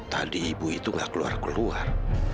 tadi ibu itu nggak keluar keluar